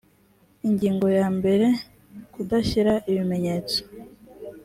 ingingo ya mbere kudashyira ibimenyetso